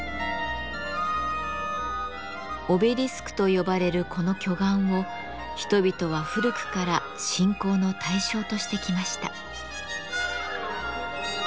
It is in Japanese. オベリスクと呼ばれるこの巨岩を人々は古くから信仰の対象としてきました。